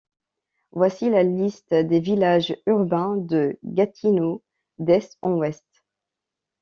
Voici la liste des villages urbains de Gatineau, d'est en ouest.